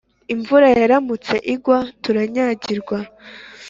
imvura yaramutse igwa turanyagirwa